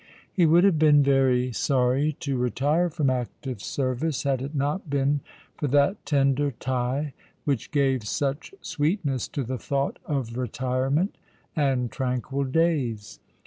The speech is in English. He would have been very sorry to retire from active service had it not been for that tender tie which gave such sweetness to the thought of retirement and tranquil days.